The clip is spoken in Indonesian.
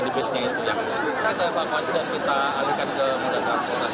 kita evakuasi dan kita alihkan ke modal kapal